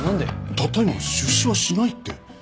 たった今出資はしないって。